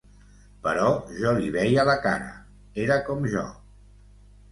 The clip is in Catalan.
Però jo li veia la cara, era com jo.